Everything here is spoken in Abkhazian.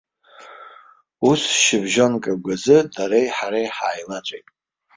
Ус шьыбжьонк агәазы дареи ҳареи ҳааилаҵәеит.